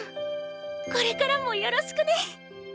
これからもよろしくね！